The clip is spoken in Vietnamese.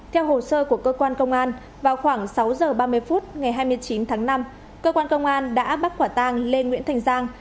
theo hồ sơ của cơ quan công an vào khoảng sáu giờ ba mươi phút ngày hai mươi chín tháng năm cơ quan công an đã bắt quả tang lê nguyễn thành giang